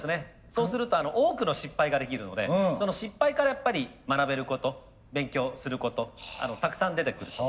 そうすると多くの失敗ができるのでその失敗からやっぱり学べること勉強することたくさん出てくると。